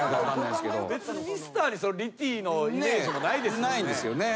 別にミスターにその「リティ」のイメージもないですもんね。